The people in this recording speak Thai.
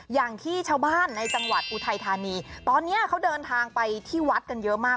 อย่างที่ชาวบ้านในจังหวัดอุทัยธานีตอนนี้เขาเดินทางไปที่วัดกันเยอะมาก